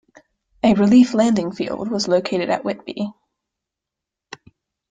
A relief landing field was located at Whitby.